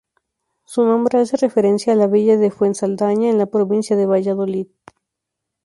Su nombre hace referencia a la villa de Fuensaldaña, en la provincia de Valladolid.